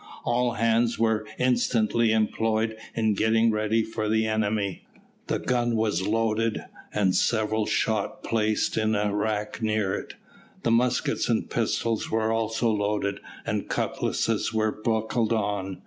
All hands were instantly employed in getting ready for the enemy. The gun was loaded, and several shot placed in a rack near it; the muskets and pistols were also loaded, and cutlasses were buckled on.